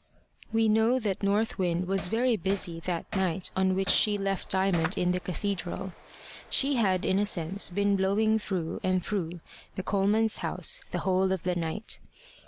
We know that North Wind was very busy that night on which she left Diamond in the cathedral. She had in a sense been blowing through and through the Colemans' house the whole of the night.